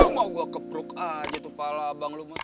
mau gua kepruk aja tupalah bang lumut